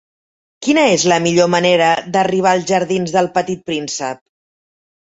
Quina és la millor manera d'arribar als jardins d'El Petit Príncep?